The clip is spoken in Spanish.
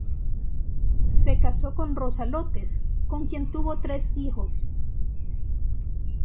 Se casó con Rosa López, con quien tuvo tres hijos.